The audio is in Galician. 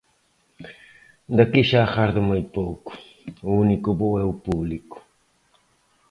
De aquí xa agardo moi pouco, o único bo é o público.